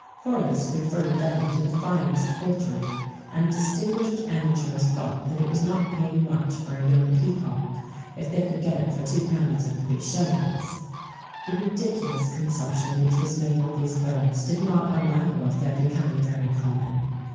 [J] Horace preferred them to the finest poultry,[XVII 127] and distinguished amateurs thought that it was not paying much for a young peacock if they could get it for two pounds and three shillings.[XVII 128] The ridiculous consumption which was made of these birds did not allow of their becoming very common.